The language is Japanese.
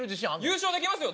優勝できますよ！